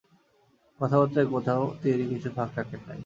কথাবার্তায় কোথাও তিনি কিছু ফাঁক রাখেন নাই।